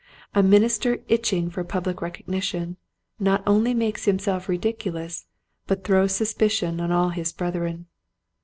A minister itching for public recognition not only makes himself ridiculous but throws sus picion on all his brethren.